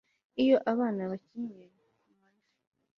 Iyo abana bakinnye kumavi